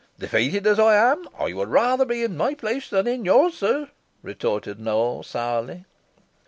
"Defeated as I am, I would rather be in my place than in yours, sir," retorted Nowell, sourly.